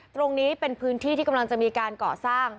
ตรงนี้เป็นพื้นที่ที่กำลังจะมีการก่อสร้าง